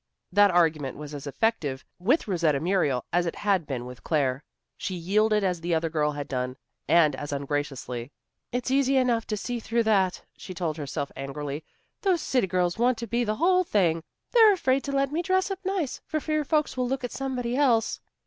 That argument was as effective with Rosetta Muriel as it had been with Claire. She yielded as the other girl had done, and as ungraciously. "It's easy enough to see through that," she told herself angrily. "Those city girls want to be the whole thing. They're afraid to let me dress up nice, for fear folks will look at somebody else."